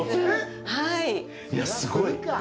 いや、すごい。